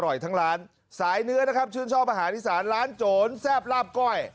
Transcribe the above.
ทั้งร้านสายเนื้อนะครับชื่นชอบอาหารอีสานร้านโจรแซ่บลาบก้อย